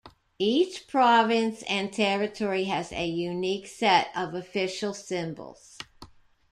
Each province and territory has a unique set of official symbols.